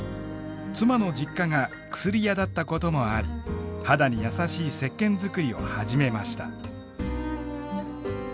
妻の実家が薬屋だったこともあり肌に優しいせっけん作りを始めました。